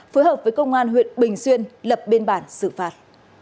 phối hợp với công an huyện bình xuyên lập biên bản xử phạt